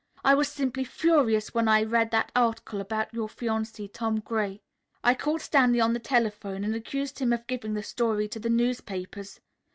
I was simply furious when I read that article about your fiancé, Tom Gray. I called Stanley on the telephone and accused him of giving the story to the newspapers.